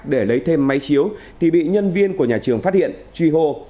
để lấy thêm máy chiếu thì bị nhân viên của nhà trường phát hiện truy hô